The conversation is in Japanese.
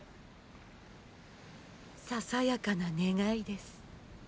ささやかな願いです。